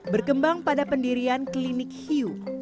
berkembang pada pendirian klinik hiu